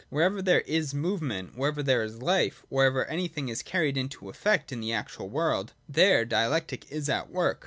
Wherever there is movement, wherever there is life, wherever anything is carried into effect in the actual world, there Dialectic is at work.